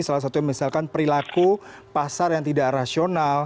salah satunya misalkan perilaku pasar yang tidak rasional